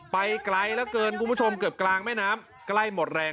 ไปไกลแล้วเกินคุณผู้ผู้ชมเกิดกลางแม่น้ำใกล้หมดแรง